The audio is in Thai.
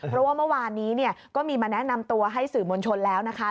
เพราะว่าเมื่อวานนี้เนี่ยก็มีมาแนะนำตัวให้สื่อมวลชนแล้วนะคะ